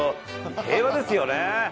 平和ですよね。